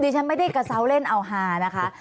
ฉันไม่ได้กระเซาเล่นเอาฮานะคะ